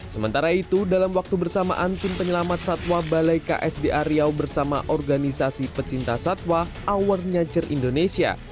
sementara itu dalam waktu bersamaan tim penyelamat satwa balai ksda riau bersama organisasi pecinta satwa our nature indonesia